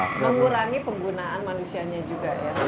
untuk mengurangi penggunaan manusianya juga ya